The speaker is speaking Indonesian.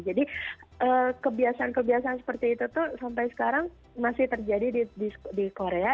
jadi kebiasaan kebiasaan seperti itu tuh sampai sekarang masih terjadi di korea